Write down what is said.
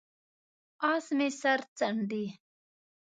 اس مې سر څنډي،